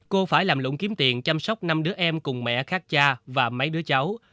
cô phải làm lũng kiếm tiền chăm sóc năm đứa em cùng mẹ khác cha và mấy đứa cháu